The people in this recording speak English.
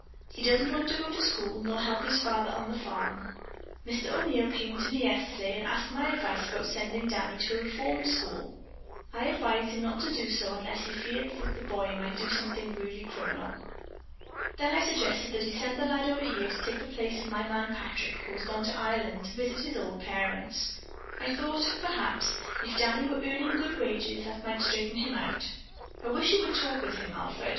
He doesn't want to go to school nor help his father on the farm. Mr. O'Neil came to me yesterday and asked my advice about sending Danny to a reform school. I advised him not to do so unless he feared the boy might do something really criminal. Then I suggested that he send the lad over here to take the place of my man Patrick, who has gone to Ireland to visit his old parents. I thought, perhaps, if Danny were earning good wages, that might straighten him out. I wish you would talk with him, Alfred.